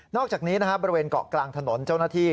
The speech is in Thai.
อกจากนี้บริเวณเกาะกลางถนนเจ้าหน้าที่